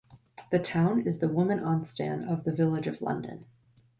The town is the Women on-Stan of the village of London.